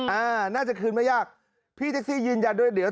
อ่าน่าจะคืนไม่ยากพี่แท็กซี่ยืนยันด้วยเดี๋ยว